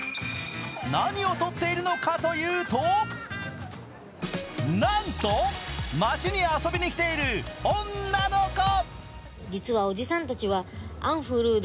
何を撮っているのかというとなんと街に遊びに来ている女の子。